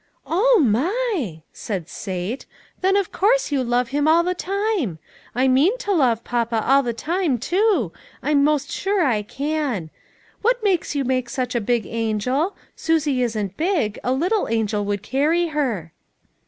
"Oh my!" said Sate. "Then of course you love him all the time. I mean to love my papa, all the time too. I'm most sure I can. What makes you make such a big angel ? Susie isn't big; a little angel could carry her."